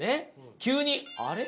急にあれ？